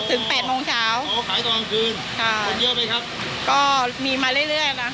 แปดโมงเช้าอ๋อขายตอนกลางคืนค่ะคนเยอะไหมครับก็มีมาเรื่อยเรื่อยนะ